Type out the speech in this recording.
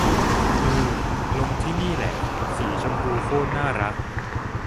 อือ ลงที่ นี่แหละ สีชมพูโคตรน่ารัก